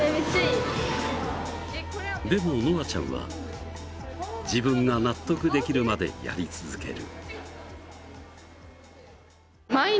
でも、のあちゃんは自分が納得できるまでやり続ける。